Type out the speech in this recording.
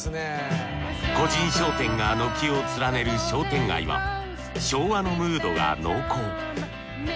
個人商店が軒を連ねる商店街は昭和のムードが濃厚。